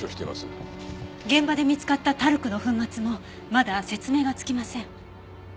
現場で見つかったタルクの粉末もまだ説明がつきません。